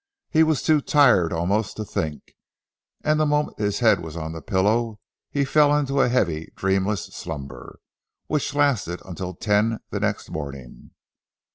He was too tired almost to think, and the moment his head was on the pillow, he fell into a heavy dreamless slumber, which lasted until ten the next morning.